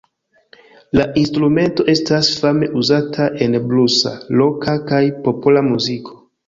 La instrumento estas fame uzata en blusa, roka, kaj popola muziko.